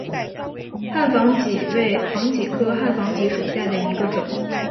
汉防己为防己科汉防己属下的一个种。